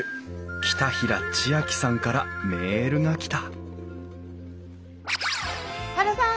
北平知亜季さんからメールが来たハルさん